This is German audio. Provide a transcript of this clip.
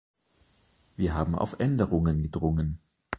Wir haben auf Änderungen gedrungen.